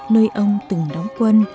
nơi ông từng đóng quân